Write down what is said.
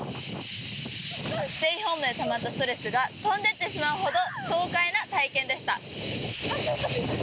ステイホームでたまったストレスが飛んでってしまうほど爽快な体験でした。